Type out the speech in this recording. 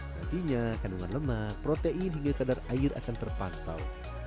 nantinya kandungan lemak protein hingga kadar air akan terpantau